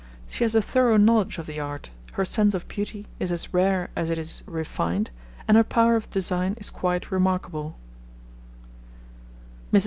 She has a thorough knowledge of the art, her sense of beauty is as rare as it is refined, and her power of design is quite remarkable.